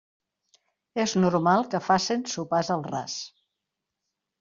És normal que facen sopars al ras.